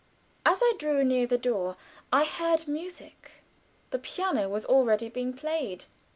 As I drew near the door I heard music; the piano was already being played.